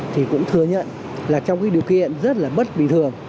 thì cũng thừa nhận là trong cái điều kiện rất là bất bình thường